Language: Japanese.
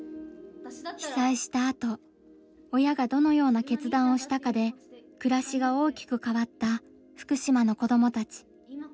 被災したあと親がどのような決断をしたかで暮らしが大きく変わった福島の子どもたち。